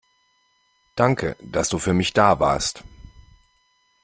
Danke, dass du für mich da warst.